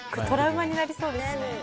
トラウマになりそうですね。